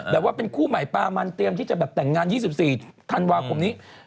ว่าเป็นคู่ใหม่ปามันเตรียมที่จะแบบแต่งงาน๒๔ธันวาคมนี้